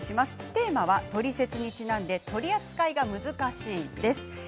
テーマはトリセツにちなんで取り扱いが難しい、です。